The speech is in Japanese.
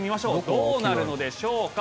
どうなるんでしょうか。